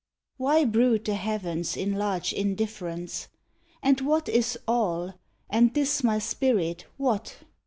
Why brood the heavens in large indifference? And what is all, and this my spirit what?